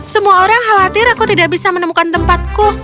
semua orang khawatir aku tidak bisa menemukan tempatku